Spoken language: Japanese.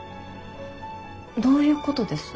どういうことです？